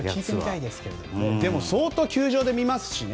相当、球場で見ますしね。